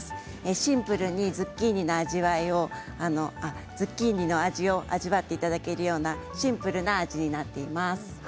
シンプルにズッキーニの味を味わっていただけるようなシンプルな味になっています。